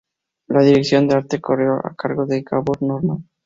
La dirección de arte corrió a cargo de Gabor Norman.